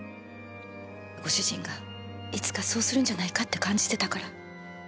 ご主人がいつかそうするんじゃないかって感じてたから。